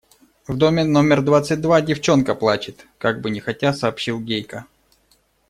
В доме номер двадцать два девчонка плачет, – как бы нехотя сообщил Гейка.